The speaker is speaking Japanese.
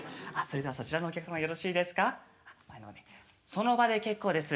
その場で結構です。